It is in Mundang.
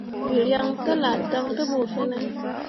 Wǝ ryaŋ tellah dan te ɓu fine ?